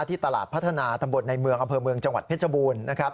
ที่ตลาดพัฒนาตำบลในเมืองอำเภอเมืองจังหวัดเพชรบูรณ์นะครับ